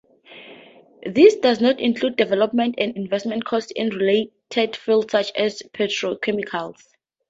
This does not include development and investment costs in related fields such as Petrochemicals.